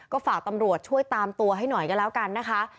ก็ฝากตำรวจช่วยตามตัวให้หน่อยก็แล้วกันนะคะ